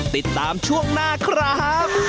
ติดตามช่วงหน้าครับ